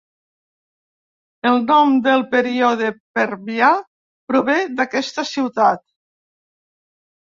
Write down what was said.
El nom del període Permià prové del d'aquesta ciutat.